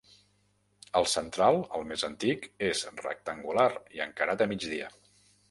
El central, el més antic, és rectangular i encarat a migdia.